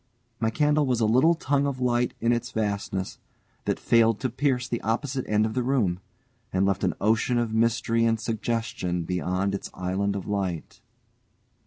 My candle was a little tongue of light in its vastness, that failed to pierce the opposite end of the room, and left an ocean of mystery and suggestion beyond its island of light.